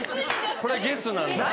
これ「げす」なんだ。